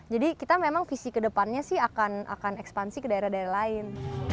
jadi kita memang visi kedepannya sih akan ekspansi ke daerah daerah lain